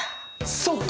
そっか！